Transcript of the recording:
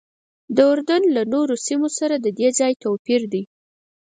د اردن له نورو سیمو سره ددې ځای توپیر دی.